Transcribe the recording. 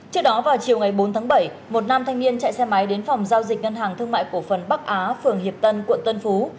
trước đó vào chiều ngày bốn tháng bảy một nam thanh niên chạy xe máy đến phòng giao dịch ngân hàng thương mại cổ phần bắc á phường hiệp tân quận tân phú